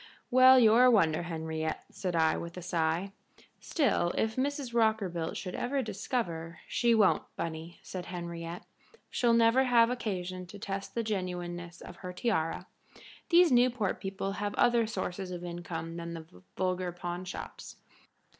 "Well, you're a wonder, Henriette," said I, with a sigh. "Still, if Mrs. Rockerbilt should ever discover " "She won't, Bunny," said Henriette. "She'll never have occasion to test the genuineness of her tiara. These Newport people have other sources of income than the vulgar pawnshops."